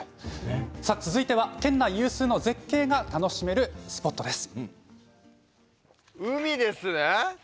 続いては県内有数の絶景が楽しめるスポットです。